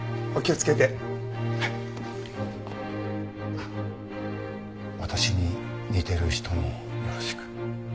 あっ私に似てる人によろしく。